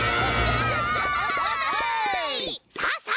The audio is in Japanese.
さあさあ